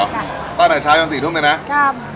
กัดครับตั้งแต่เช้ายานสี่ทุ่มเลยนะก็